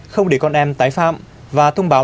không để con em tái phạm và thông báo